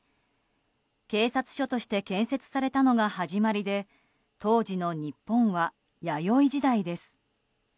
警察署として建設されたのが始まりで当時の日本は弥生時代です。